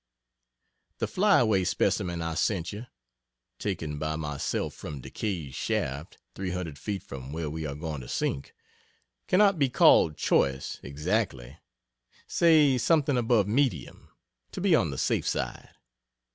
The "Flyaway" specimen I sent you, (taken by myself from DeKay's shaft, 300 feet from where we are going to sink) cannot be called "choice," exactly say something above medium, to be on the safe side.